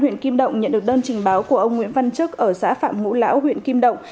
huyện kim động nhận được đơn trình báo của ông nguyễn văn trức ở xã phạm ngũ lão huyện kim động